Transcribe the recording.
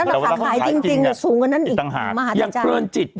แล้วราคาขายจริงสูงกว่านั้นในมหาธิจันทร์